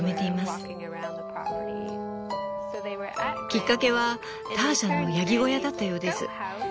きっかけはターシャのヤギ小屋だったようです。